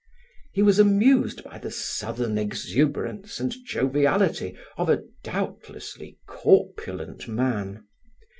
He was amused by the southern exuberance and joviality of a doubtlessly corpulent man.